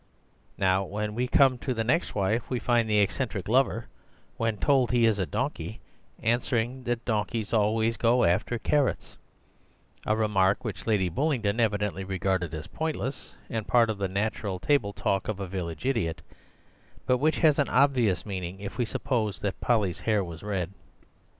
Now when we come to the next wife, we find the eccentric lover, when told he is a donkey, answering that donkeys always go after carrots; a remark which Lady Bullingdon evidently regarded as pointless and part of the natural table talk of a village idiot, but which has an obvious meaning if we suppose that Polly's hair was red.